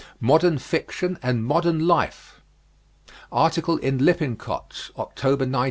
MODERN FICTION AND MODERN LIFE. Article in Lippincott's, October, 1907.